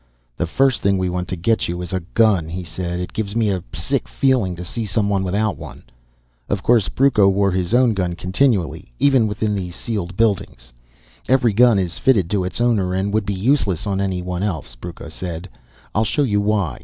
"The first thing we want to get you is a gun," he said. "It gives me a sick feeling to see someone without one." Of course Brucco wore his own gun continually, even within the sealed buildings. "Every gun is fitted to its owner and would be useless on anyone else," Brucco said. "I'll show you why."